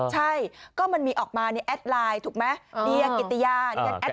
ใช่ก็มันมีออกมาในแอดไลน์ถูกไหมเดียกิติยา